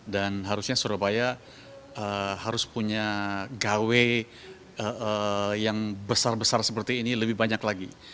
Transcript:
dan harusnya surabaya harus punya gawe yang besar besar seperti ini lebih banyak lagi